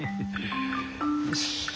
よし。